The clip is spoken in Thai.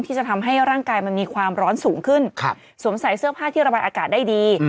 ที่จะทำให้ร่างกายมันมีความร้อนสูงขึ้นสวมใส่เสื้อผ้าที่ระบายอากาศได้ดี